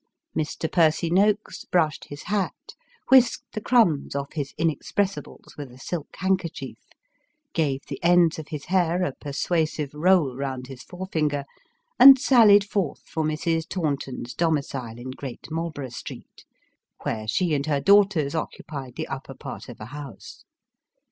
Mr. Percy Noakes brushed his hat, whisked the crumbs off his in explicables with a silk handkerchief, gave the ends of his hair a persuasive roll round his forefinger, and sallied forth for Mrs. Tannton's domicile in Great Maryborough Street, where she and her daughters occupied the upper part of a house.